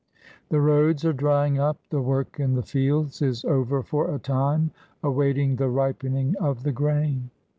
The roads are drying up, the work in the fields is over for a time, awaiting the ripening of the grain.